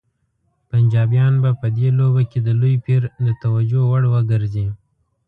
پنجابیان به په دې لوبه کې د لوی پیر د توجه وړ وګرځي.